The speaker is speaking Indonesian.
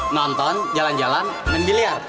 nonton jalan jalan mendiliat